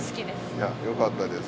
いやよかったです。